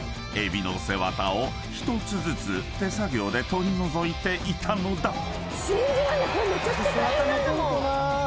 エビの背わたを１つずつ手作業で取り除いていたのだ］